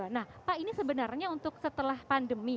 nah pak ini sebenarnya untuk setelah pandemi